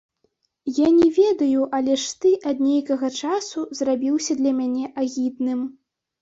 Я не ведаю, але ж ты ад нейкага часу зрабіўся для мяне агідным.